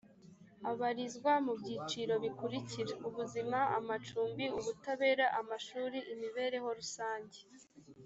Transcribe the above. abarizwa mu byiciro bikurikira ubuzima amacumbi ubutabera amashuri imibereho rusange